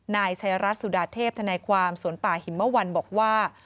นายชัยรัฐสุดาเทพธนายความสวนป่าหิมวันบอกว่า